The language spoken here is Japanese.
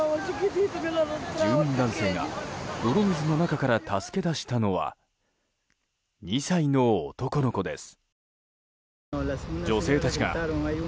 住民男性が泥水の中から助け出したのは２歳の男の子です。